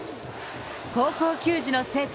高校球児の聖地・